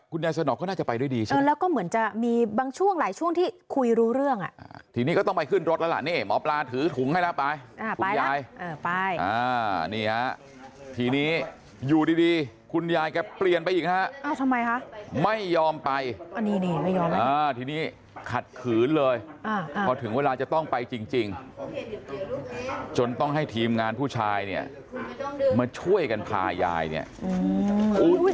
พระเจ้าของพระเจ้าคือพระเจ้าของพระเจ้าคือพระเจ้าของพระเจ้าคือพระเจ้าของพระเจ้าคือพระเจ้าของพระเจ้าคือพระเจ้าของพระเจ้าคือพระเจ้าของพระเจ้าคือพระเจ้าของพระเจ้าคือพระเจ้าของพระเจ้าคือพระเจ้าของพระเจ้าคือพระเจ้าของพระเจ้าคือพระเจ้าของพระเจ้าคือพระเจ้